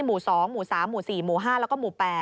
หมู่๒หมู่๓หมู่๔หมู่๕แล้วก็หมู่๘